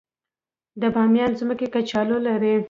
د بامیان ځمکې کچالو لري